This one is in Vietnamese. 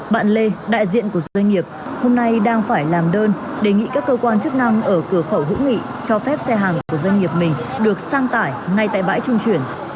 bạn lê đại diện của doanh nghiệp hôm nay đang phải làm đơn đề nghị các cơ quan chức năng ở cửa khẩu hữu nghị cho phép xe hàng của doanh nghiệp mình được sang tải ngay tại bãi trung chuyển